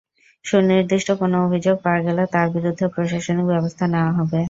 সুনির্দিষ্ট কোনো অভিযোগ পাওয়া গেলে তাঁর বিরুদ্ধে প্রশাসনিক ব্যবস্থা নেওয়া হবে।